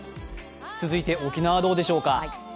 続いて沖縄、どうでしょうか。